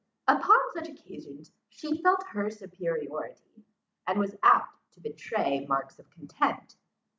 Upon such occasions she felt her superiority, and was apt to betray marks of contempt.